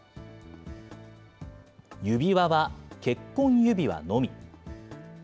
指輪は結婚指輪のみ。